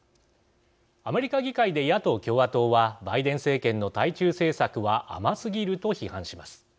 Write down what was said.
アメリカ議会で野党・共和党はバイデン政権の対中政策は甘すぎると批判します。